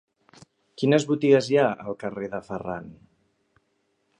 Quines botigues hi ha al carrer de Ferran?